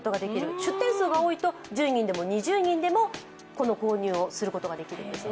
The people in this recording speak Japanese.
出店数が多いと１０人でも２０人でも購入をすることができるんですね。